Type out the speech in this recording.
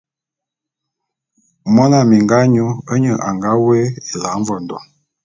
Mona minga nyu nnye a nga woé Ela Mvondo.